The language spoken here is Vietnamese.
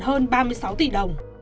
hơn ba mươi sáu tỷ đồng